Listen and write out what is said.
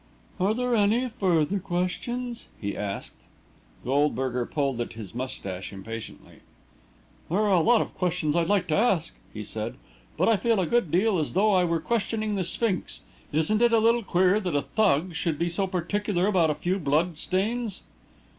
"Are there any further questions?" he asked. Goldberger pulled at his moustache impatiently. "There are a lot of questions I'd like to ask," he said, "but I feel a good deal as though I were questioning the Sphinx. Isn't it a little queer that a Thug should be so particular about a few blood stains?"